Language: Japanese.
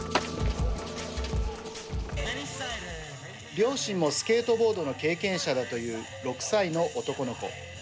両親もスケートボードの経験者だという６歳の男の子。